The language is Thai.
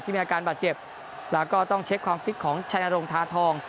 มีอาการบาดเจ็บแล้วก็ต้องเช็คความฟิตของชัยนรงทาทอง